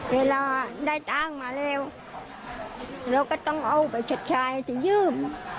เวลาได้ตังมาแล้วเราก็ต้องเอาไปเต็มชายเข้าไปยืม